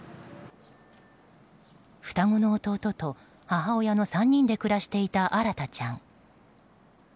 双子の弟と母親の３人で暮らしていた新大ちゃん。